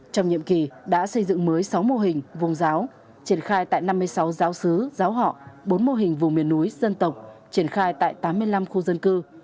trong nhiệm kỳ đã xây dựng mới sáu mô hình vùng giáo triển khai tại năm mươi sáu giáo sứ giáo họ bốn mô hình vùng miền núi dân tộc triển khai tại tám mươi năm khu dân cư